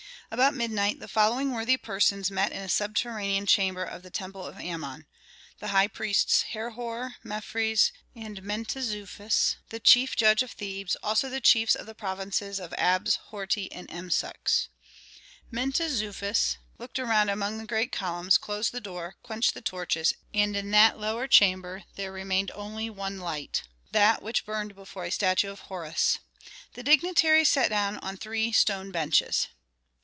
About midnight the following worthy persons met in a subterranean chamber of the temple of Amon: the high priests Herhor, Mefres, and Mentezufis, the chief judge of Thebes, also the chiefs of the provinces of Abs, Horti, and Emsuch. Mentezufis looked around among the great columns, closed the door, quenched the torches, and in that lower chamber there remained only one light, that which burned before a statue of Horus. The dignitaries sat down on three stone benches.